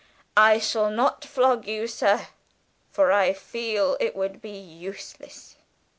I shall not flog you, sir, for I feel it would be useless.